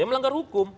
ya melanggar hukum